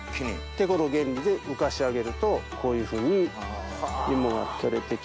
てこの原理で浮かし上げるとこういうふうに芋が採れてきます。